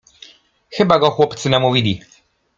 Chyba go chłopcy namówili.